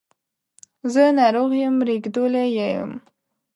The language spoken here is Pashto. زه ناروغ یم ریږدولی یې یم